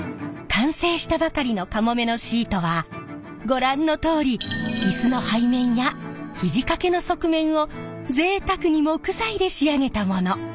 完成したばかりの「かもめ」のシートはご覧のとおり椅子の背面や肘掛けの側面をぜいたくに木材で仕上げたもの。